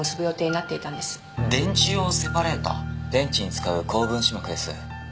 電池に使う高分子膜です。